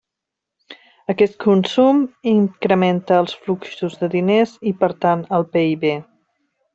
Aquest consum incrementa els fluxos de diners i, per tant, el PIB.